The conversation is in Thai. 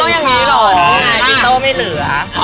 อ๋อโด่งไหนตรงตัวไม่เหนือ